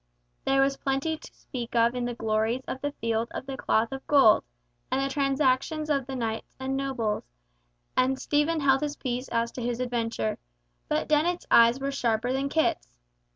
There was plenty to speak of in the glories of the Field of the Cloth of Gold, and the transactions with the knights and nobles; and Stephen held his peace as to his adventure, but Dennet's eyes were sharper than Kit's.